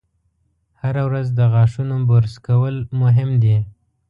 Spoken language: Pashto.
هره ورځ د غاښونو برش کول مهم دي.